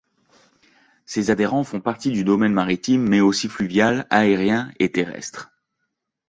Ses adhérents font partie du domaine maritime mais aussi fluvial, aérien et terrestre.